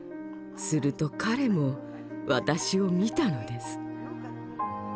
すると彼も私を見たのです。